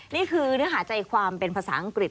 นี่คือเนื้อหาใจความเป็นภาษาอังกฤษ